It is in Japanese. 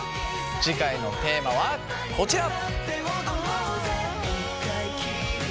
次回のテーマはこちら。